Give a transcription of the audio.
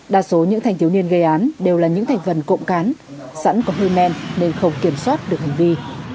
đa số những thanh thiếu niên gây án đều là những thành phần cộng cán sẵn có hơi men nên không kiểm soát được hành vi